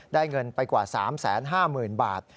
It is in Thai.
เงินไปกว่า๓๕๐๐๐บาท